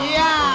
iya terus terus